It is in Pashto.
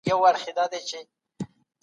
د قصاص په صورت کي د ژوند حق اخیستل کیږي.